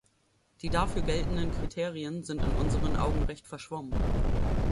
Die dafür geltenden Kriterien sind in unseren Augen recht verschwommen.